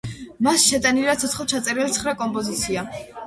მასში შეტანილია ცოცხლად ჩაწერილი ცხრა კომპოზიცია.